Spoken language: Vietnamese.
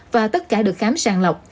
và tất cả được khám sàng lọc